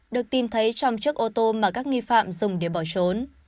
được tìm thấy trong chiếc ô tô mà các nghi phạm dùng để bỏ trốn